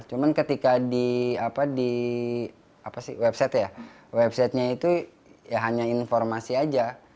cuma ketika di website nya itu hanya informasi saja